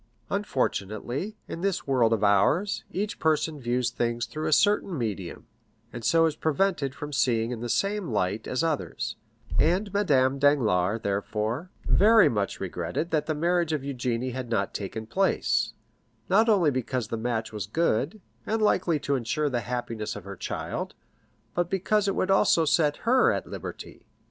Unfortunately, in this world of ours, each person views things through a certain medium, and so is prevented from seeing in the same light as others, and Madame Danglars, therefore, very much regretted that the marriage of Eugénie had not taken place, not only because the match was good, and likely to insure the happiness of her child, but because it would also set her at liberty.